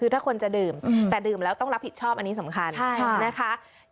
คือถ้าคนจะดื่มแต่ดื่มแล้วต้องรับผิดชอบอันนี้สำคัญนะคะ